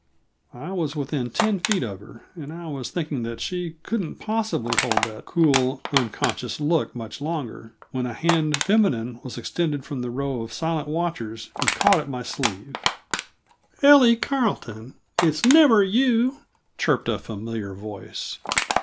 I was within ten feet of her, and I was thinking that she couldn't possibly hold that cool, unconscious look much longer, when a hand feminine was extended from the row of silent watchers and caught at my sleeve. "Ellie Carleton, it's never you!" chirped a familiar voice.